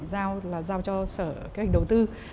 giao cho sở kế hoạch đầu tư